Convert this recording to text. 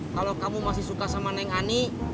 kalau kamu masih suka sama neng ani